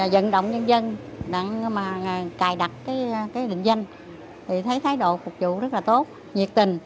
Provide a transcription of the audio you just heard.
dẫn động nhân dân để cài đặt định danh thấy thái độ phục vụ rất là tốt nhiệt tình